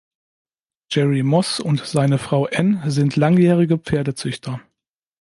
Jerry Moss und seine Frau Ann sind langjährige Pferdezüchter.